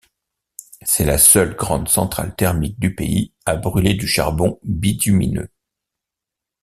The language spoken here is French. C'est la seule grande centrale thermique du pays à brûler du charbon bitumineux.